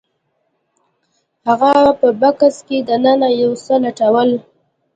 هغه په بکس کې دننه یو څه لټول